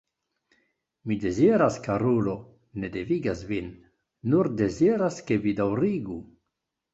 Mi deziras, karulo, ne devigas vin, nur deziras, ke vi daŭrigu.